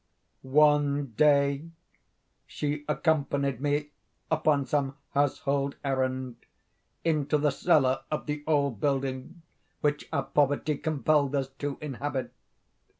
One day she accompanied me, upon some household errand, into the cellar of the old building which our poverty compelled us to inhabit.